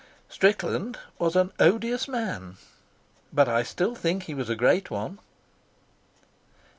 Strickland was an odious man, but I still think he was a great one.